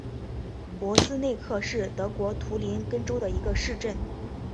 珀斯内克是德国图林根州的一个市镇。